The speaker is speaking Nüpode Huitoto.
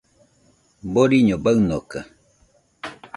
Boriño baɨnoka